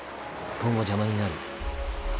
今後邪魔になる。